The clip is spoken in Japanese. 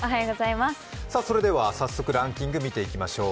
それでは早速ランキングを見ていきましょう。